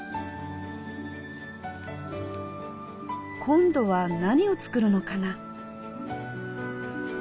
今度は何を作るのかな？